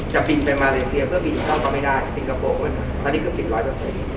จะบินไปมาเลเซียเพื่อบินเข้าก็ไม่ได้สิงคโปร์อันนี้เกือบปิดร้อยเปอร์เซ็นต์